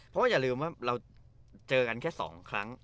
เพราะว่าอย่าลืมว่าเราเจอกันแค่๒ครั้ง